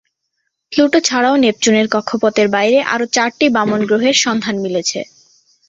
Pluto ছাড়াও নেপচুনের কক্ষপথের বাইরে আরও চারটি বামন গ্রহের সন্ধান মিলেছে।